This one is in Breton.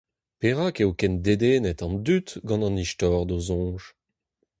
Perak eo ken dedennet an dud gant an Istor d'ho soñj ?